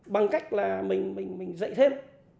bằng cách là mình dạy thêm